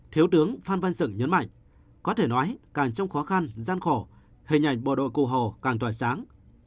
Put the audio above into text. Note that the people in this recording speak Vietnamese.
thiếu tướng phan văn sửng nhấn mạnh có thể nói càng trong khó khăn gian khổ hình ảnh bộ đội cụ hồ càng tỏa sáng